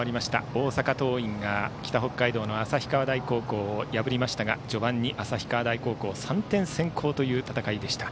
大阪桐蔭が北北海道の旭川大高校を破りましたが序盤に旭川大高校３点先行という戦いでした。